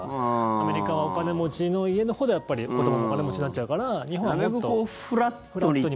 アメリカはお金持ちの家のほうで子どももお金持ちになっちゃうからなるべくフラットに。